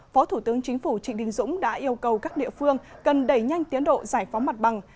phó thủ tướng chính phủ trịnh đình dũng đã yêu cầu các địa phương cần đẩy nhanh tiến độ giải phóng mặt bằng